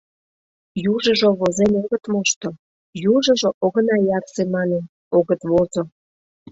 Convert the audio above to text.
Южыжо возен огыт мошто, южыжо, огына ярсе манын, огыт возо.